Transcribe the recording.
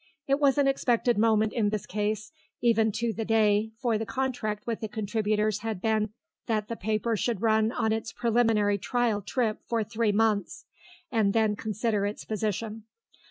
It was an expected moment in this case, even to the day, for the contract with the contributors had been that the paper should run on its preliminary trial trip for three months, and then consider its position.